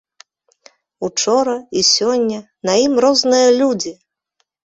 Учора і сёння на ім розныя людзі.